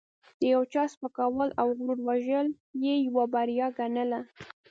د یو چا سپکول او غرور وژل یې یوه بریا ګڼله.